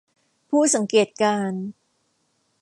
ผู้สังเกตการณ์